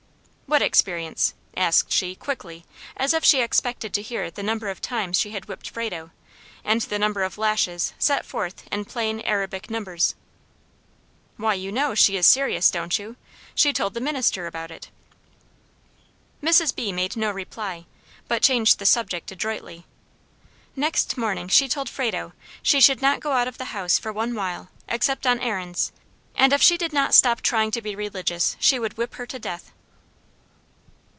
"What experience?" asked she, quickly, as if she expected to hear the number of times she had whipped Frado, and the number of lashes set forth in plain Arabic numbers. "Why, you know she is serious, don't you? She told the minister about it." Mrs. B. made no reply, but changed the subject adroitly. Next morning she told Frado she "should not go out of the house for one while, except on errands; and if she did not stop trying to be religious, she would whip her to death."